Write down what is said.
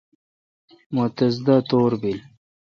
مہ تس دا تور بیل۔